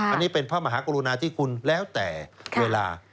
อันนี้เป็นพระมหากรุณาที่คุณแล้วแต่เวลา